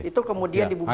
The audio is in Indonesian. itu kemudian dibubarkan